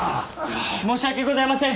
申し訳ございません。